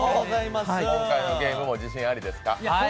今回のゲームも自信ありですか？